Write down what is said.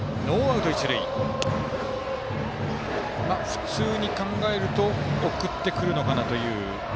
普通に考えると送ってくるのかなという。